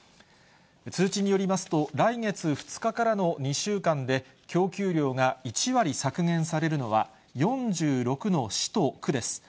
通知によりますと、来月２日からの２週間で、供給量が１割削減されるのは、４６の市と区です。